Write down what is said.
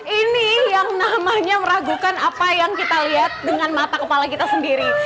ini yang namanya meragukan apa yang kita lihat dengan mata kepala kita sendiri